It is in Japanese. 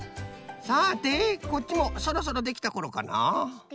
さてこっちもそろそろできたころかな？